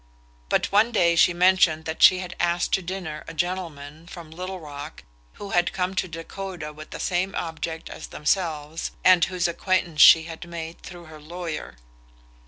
But one day she mentioned that she had asked to dinner a gentleman from Little Rock who had come to Dakota with the same object as themselves, and whose acquaintance she had made through her lawyer.